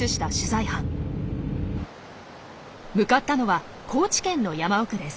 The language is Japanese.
向かったのは高知県の山奥です。